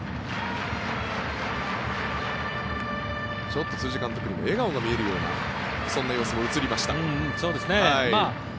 ちょっと辻監督にも笑顔が見えるようなそんな様子も映りました。